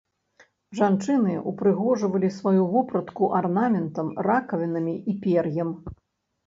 Жанчыны ўпрыгожвалі сваю вопратку арнаментам, ракавінамі і пер'ем.